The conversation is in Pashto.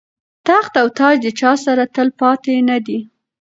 تخت او تاج د چا سره تل پاتې نه دی.